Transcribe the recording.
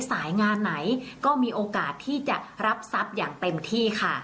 สายงานไหนก็มีโอกาสที่จะรับทรัพย์อย่างเต็มที่ค่ะ